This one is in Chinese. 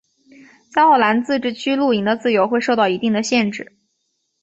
在奥兰自治区露营的自由会受到一定的限制。